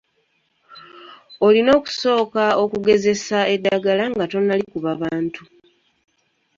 Olina okusooka okugezeza eddagala nga tonnalikuba bantu.